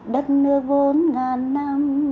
đất nước vốn ngàn năm